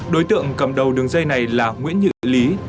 đối tượng cầm đầu đường dây này là nguyễn nhự lý